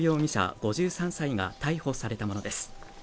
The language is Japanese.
５３歳が逮捕されたものです